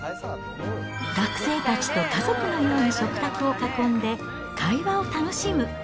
学生たちと家族のように食卓を囲んで、会話を楽しむ。